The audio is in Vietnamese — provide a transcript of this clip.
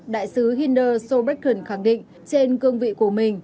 đại sứ hinder sobreken khẳng định trên cương vị của mình